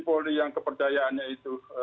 polri yang kepercayaannya itu